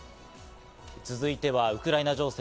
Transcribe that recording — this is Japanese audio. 続いてはウクライナ情勢。